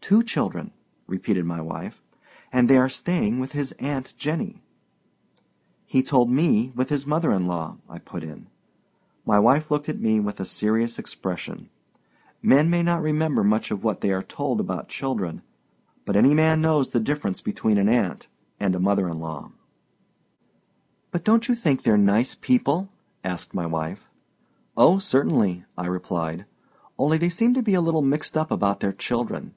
"Two children," repeated my wife; "and they are staying with his aunt Jenny." "He told me with his mother in law," I put in. My wife looked at me with a serious expression. Men may not remember much of what they are told about children; but any man knows the difference between an aunt and a mother in law. "But don't you think they're nice people?" asked my wife. "Oh, certainly," I replied. "Only they seem to be a little mixed up about their children."